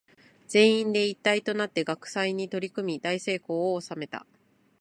全員で一体となって学祭に取り組み大成功を収めた。